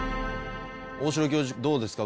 大城教授どうですか？